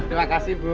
terima kasih bu